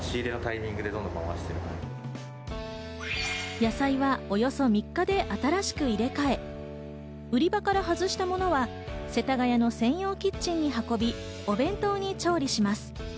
野菜はおよそ３日で新しく入れ替え、売り場から外したものは世田谷の専用キッチンに運び、お弁当に調理します。